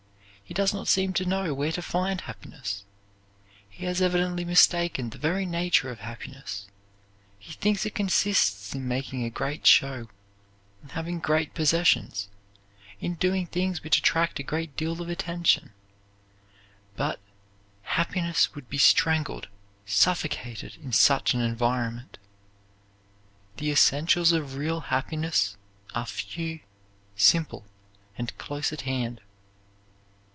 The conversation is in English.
He does not seem to know where to find happiness. He has evidently mistaken the very nature of happiness. He thinks it consists in making a great show, in having great possessions, in doing things which attract a great deal of attention; but happiness would be strangled, suffocated in such an environment. The essentials of real happiness are few, simple, and close at hand.